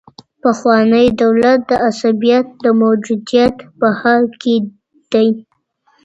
پخوانی دولت د عصبيت د موجودیت په حال کي دی.